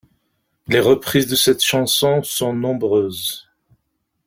Les reprises de cette chanson sont nombreuses.